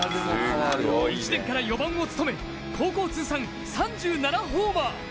１年から４番を務め高校通算３７ホーマー。